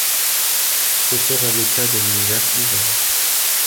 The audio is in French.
Ce serait le cas de l'univers ouvert.